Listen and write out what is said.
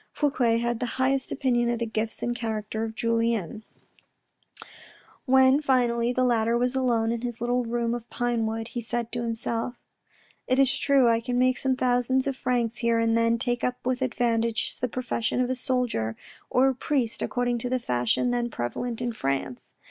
Fouque had the highest opinion of the gifts and character of Julien. A JOURNEY 77 When, finally, the latter was alone in his little room of pinewood, he said to himself :" It is true I can make some thousands of francs here and then take up with advantage the profession of a soldier, or of a priest, according to the fashion then prevalent in France.